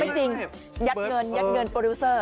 จริงยัดเงินยัดเงินโปรดิวเซอร์